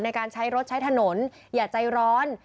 ในการใช้รถใช้ถนนอย่าใจร้อน